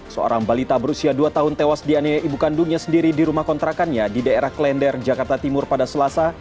seorang balita berusia dua tahun tewas dianiaya ibu kandungnya sendiri di rumah kontrakannya di daerah klender jakarta timur pada selasa